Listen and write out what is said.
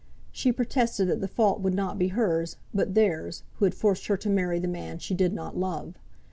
She protested that the fault would not be hers, but theirs, who had forced her to marry the man she did not love.